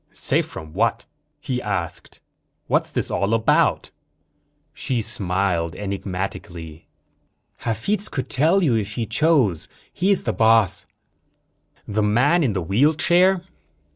"Safe from what?" he asked. "What's this all about?" She smiled enigmatically. "Hafitz could tell you, if he chose. He's the boss." "The man in the wheelchair?"